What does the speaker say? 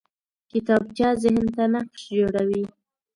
کتابچه ذهن ته نقش جوړوي